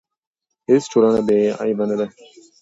هیڅ ټولنه بې عیبه نه ده.